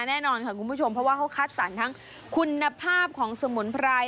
แน่นอนค่ะคุณผู้ชมเพราะว่าเขาคัดสรรทั้งคุณภาพของสมุนไพร